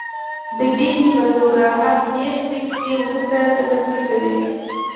د بېلګې په توګه هر دېرش دقیقې وروسته تکثر کوي.